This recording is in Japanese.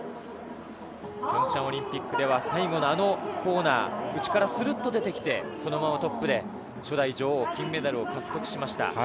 ピョンチャンオリンピックでは最後のあのコーナー、内からするっと出てきて、そのままトップで初代女王、金メダルを獲得しました。